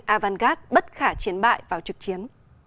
avangard bất khả chiến bại vào trực chiến